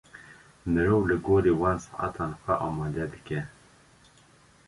Mirov li gorî van saetan xwe amade dike.